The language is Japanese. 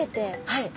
はい。